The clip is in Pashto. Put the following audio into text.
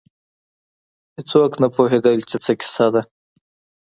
هېڅوک نه پوهېدل چې څه کیسه ده.